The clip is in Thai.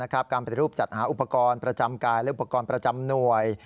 การปฏิรูปจัดหาอุปกรณ์ประจำกายและอุปกรณ์ประจำหน่วย